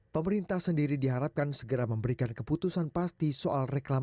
pemerintah sendiri diharapkan segera memberikan keputusan pasti soal reklamasi